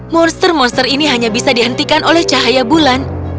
monster monster ini hanya bisa dihentikan oleh cahaya bulan